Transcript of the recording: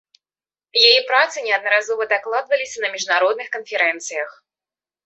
Яе працы неаднаразова дакладваліся на міжнародных канферэнцыях.